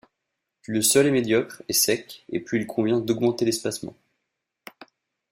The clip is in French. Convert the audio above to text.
Plus le sol est médiocre et sec et plus il convient d'augmenter l'espacement.